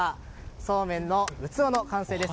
そうめんの器の完成です。